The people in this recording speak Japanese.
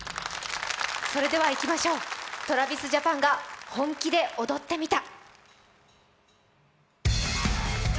それではいきましょう、ＴｒａｖｉｓＪａｐａｎが本気で踊ってみた。